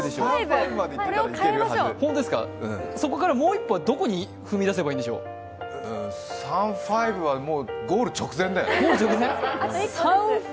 そこからもう一歩、どこに踏み出せばいいんでしょう？、サン・ファイブはもうゴール直前だよ。